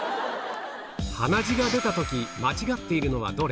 鼻血が出たとき、間違っているのはどれ？